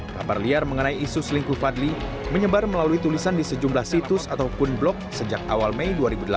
kabar liar mengenai isu selingkuh fadli menyebar melalui tulisan di sejumlah situs ataupun blog sejak awal mei dua ribu delapan belas